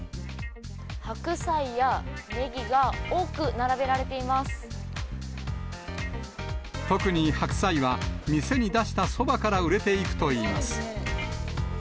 白菜やネギが多く並べられて特に白菜は、店に出したそばから売れていくといいます。